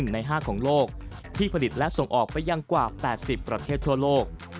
ใน๕ของโลกที่ผลิตและส่งออกไปยังกว่า๘๐ประเทศทั่วโลก